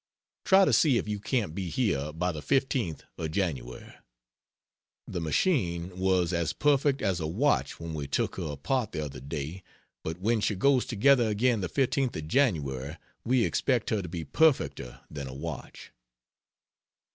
Try to see if you can't be here by the 15th of January. The machine was as perfect as a watch when we took her apart the other day; but when she goes together again the 15th of January we expect her to be perfecter than a watch.